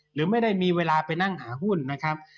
หรือไม่ได้มีเวลาไปนั่งหาหุ้นนะครับ